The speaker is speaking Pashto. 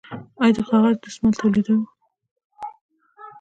آیا د کاغذ دستمال تولیدوو؟